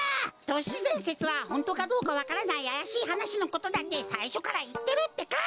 都市伝説はホントかどうかわからないあやしいはなしのことだってさいしょからいってるってか！